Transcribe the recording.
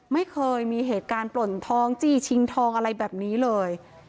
ไม่เคยมีเหตุการณ์ปล่นทองจี้ชิงทองอะไรแบบนี้เลย